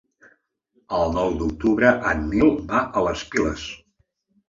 El nou d'octubre en Nil va a les Piles.